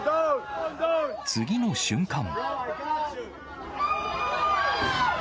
次の瞬間。